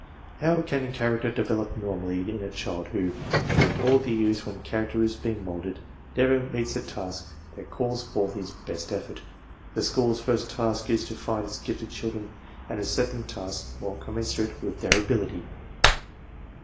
How can character develop normally in a child who, during all the years when character is being molded, never meets a task that calls forth his \ best effort? The school's first task is to find its gifted i children and to set them tasks more commensurate I with their ability.